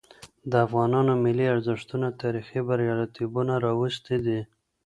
د افغانانو ملي ارزښتونه تاريخي برياليتوبونه راوستي دي.